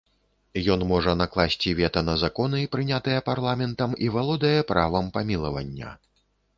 Ён можа накласці вета на законы, прынятыя парламентам і валодае правам памілавання.